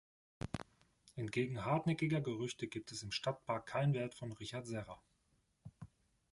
Entgegen hartnäckiger Gerüchte gibt es im Stadtpark kein Werk von Richard Serra.